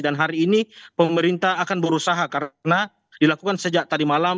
hari ini pemerintah akan berusaha karena dilakukan sejak tadi malam